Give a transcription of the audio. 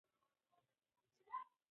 ځینې کارونه اتومات کېږي.